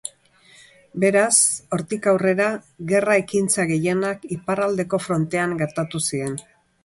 Beraz, hortik aurrera gerra ekintza gehienak iparraldeko frontean gertatu ziren.